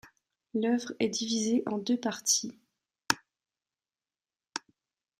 L'œuvre est divisée en deux parties.